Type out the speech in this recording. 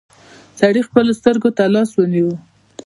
سړي خپلو سترګو ته لاس ونيو.